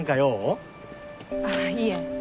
あっいえ。